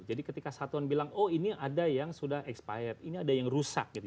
jadi ketika satuan bilang oh ini ada yang sudah expired ini ada yang rusak gitu